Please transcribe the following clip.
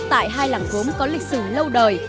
tại hai làng gốm có lịch sử lâu đời